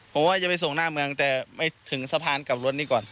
ผมว่าจะไปส่งหน้าเมืองแต่ไม่ถึงสะพานกลับรถนี้ก่อน